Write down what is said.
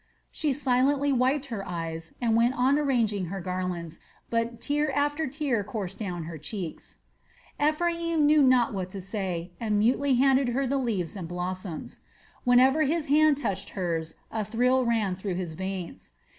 She silently wiped her eyes and went on arranging her garlands, but tear after tear coursed down her cheeks. Ephraim knew not what to say, and mutely handed her the leaves and blossoms. Whenever his hand touched hers a thrill ran through his veins.